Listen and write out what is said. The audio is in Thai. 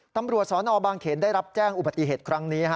ตำรวจสนบางเขนได้รับแจ้งอุบัติเหตุครั้งนี้